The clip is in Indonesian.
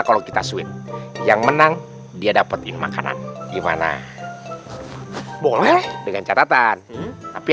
kalau kita sweet yang menang dia dapatin makanan gimana boleh dengan catatan tapi